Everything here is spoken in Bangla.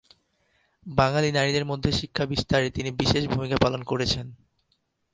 বাঙালি নারীদের মধ্যে শিক্ষা বিস্তারে তিনি বিশেষ ভুমিকা পালন করেছেন।